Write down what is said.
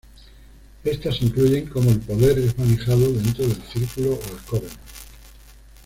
Estas incluyen cómo el poder es manejado dentro del círculo o el coven.